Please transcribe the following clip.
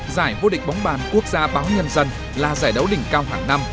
giải vô địch bóng bàn quốc gia báo nhân dân là giải đấu đỉnh cao hàng năm